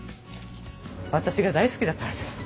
私が大好きだからです